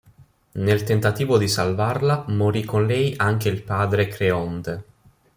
Nel tentativo di salvarla morì con lei anche il padre Creonte.